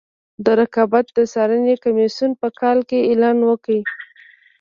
د رقابت د څارنې کمیسیون په کال کې اعلان وکړ.